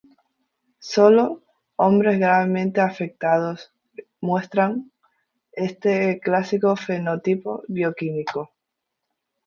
Sólo hombres gravemente afectados muestran este clásico fenotipo bioquímico.